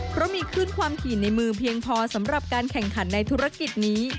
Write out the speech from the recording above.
เพราะมีขึ้นความถี่ในมือเพียงพอสำหรับการแข่งขันในธุรกิจนี้